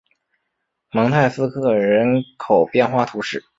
蒙泰斯科人口变化图示